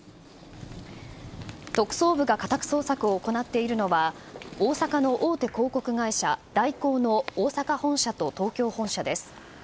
特捜部が家宅捜索を行っているのは、大阪の大手広告会社、大広の大阪本社と東京本社です。